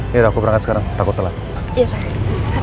akhirnya aku berangkat sekarang takut telat